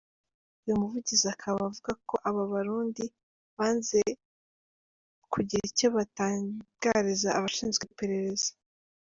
Uyu muvugizi akaba avuga ko aba Barundi banze kugira icyo batangariza abashinzwe iperereza.